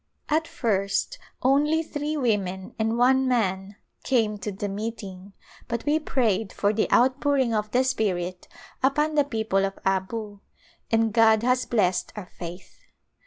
At first only three women and one man came to the meeting, but we prayed for the outpouring of the Spirit upon the people of Abu and God has blessed our faith.